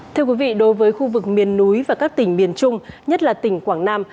thưa quý vị đối với khu vực miền núi và các tỉnh miền trung nhất là tỉnh quảng nam